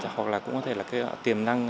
hoặc là cũng có thể là kết quả tiềm năng